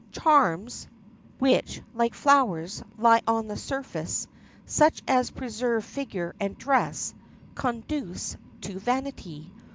Charms which, like flowers, lie on the surface—such as preserve figure and dress—conduce to vanity.